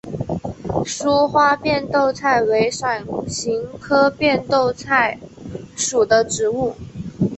疏花变豆菜为伞形科变豆菜属的植物。